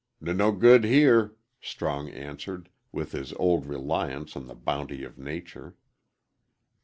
"N no good here," Strong answered, with his old reliance on the bounty of nature.